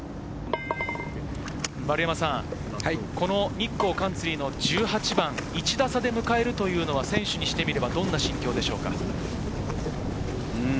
日光カンツリーの１８番を１打差で迎えるというのは選手にしてみればどんな心境ですか？